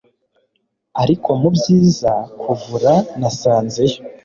Ariko mubyiza kuvura nasanzeyo